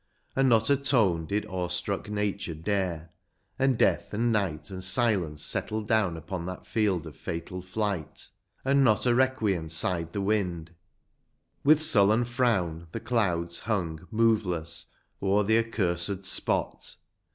And not a tone did awe struck nature dare ; And death, and night, and silence settled down Upon that field of fatal fight ; and not A requiem sighed the wind ; with sullen frown The clouds hung moveless o'er the accursed spot.